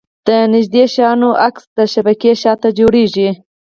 د نږدې شیانو تصویر د شبکیې شاته جوړېږي.